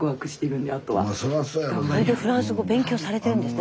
スタジオそれでフランス語勉強されてるんですね